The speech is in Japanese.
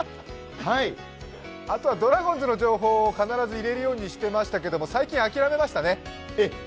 あとはドラゴンズの情報を必ず入れるようにしてましたけど最近、諦めましたね。